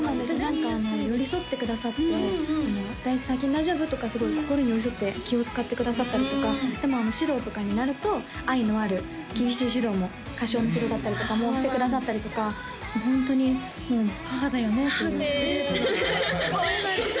何か寄り添ってくださって「最近大丈夫？」とかすごい心に寄り添って気を使ってくださったりとかでも指導とかになると愛のある厳しい指導も歌唱の指導だったりとかもしてくださったりとかもうホントに母だよねという母だよねへえすごいそうなんですよ